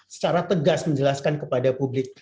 secara tegas menjelaskan kepada publik